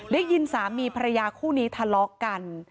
ได้ยินสามีภรรยาคู่นี้ทะเลาะกัน